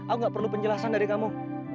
aku gak perlu penjelasan dari kamu